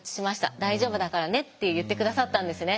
大丈夫だからね」って言って下さったんですね。